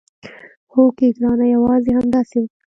هوکې ګرانه یوازې همداسې وکړه.